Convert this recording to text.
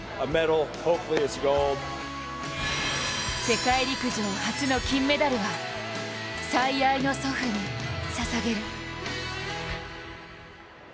世界陸上初の金メダルは最愛の祖父にささげる。